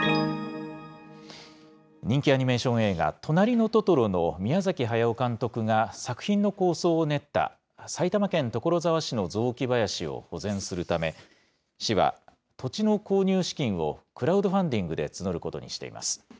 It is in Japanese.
人気アニメーション映画、となりのトトロの宮崎駿監督が作品の構想を練った、埼玉県所沢市の雑木林を保全するため、市は土地の購入資金をクラウドファンディングで募ることにしています。